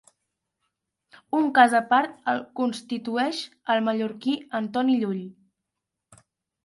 Un cas apart el constitueix el mallorquí Antoni Llull.